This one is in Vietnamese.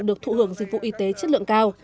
được thụ hưởng dịch vụ y tế chất lượng cao